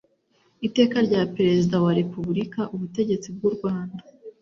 Iteka rya Perezida wa Repubulika, ubutegetsi bw urwanda